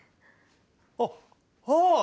あっああっ！